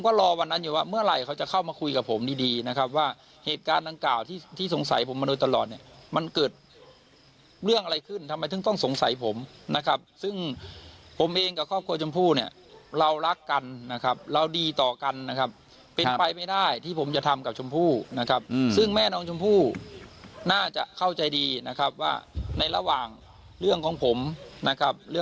ก็รอวันนั้นอยู่ว่าเมื่อไหร่เขาจะเข้ามาคุยกับผมดีดีนะครับว่าเหตุการณ์ดังกล่าวที่ที่สงสัยผมมาโดยตลอดเนี่ยมันเกิดเรื่องอะไรขึ้นทำไมถึงต้องสงสัยผมนะครับซึ่งผมเองกับครอบครัวชมพู่เนี่ยเรารักกันนะครับเราดีต่อกันนะครับเป็นไปไม่ได้ที่ผมจะทำกับชมพู่นะครับซึ่งแม่น้องชมพู่น่าจะเข้าใจดีนะครับว่าในระหว่างเรื่องของผมนะครับ